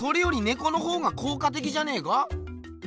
このほうが効果的じゃねえか？